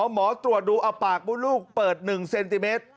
หมอตรวจดูเอาปากมดลูกเปิด๑เซนติเมตร